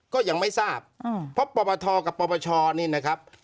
ก็ยังไม่ทราบเพราะปปทกับปปชนี่นะครับ